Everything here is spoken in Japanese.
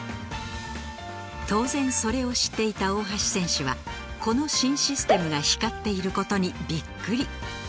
当然それを知っていた大橋選手はこの新システムが光っている事にビックリ